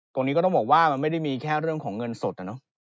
ตรงนี้ก็ต้องบอกว่ามันไม่ได้มีแค่เรื่องของเงินสดอะเนาะ